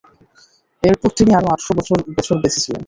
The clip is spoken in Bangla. এরপর তিনি আরো আটশ বছর বেঁচেছিলেন।